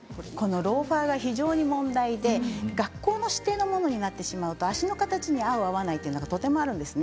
ローファーが非常に問題で学校指定のものになってしまうと足の形に合う合わないがあるんです。